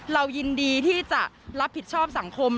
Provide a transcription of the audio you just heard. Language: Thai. เรายินดีที่จะรับผิดชอบสังคม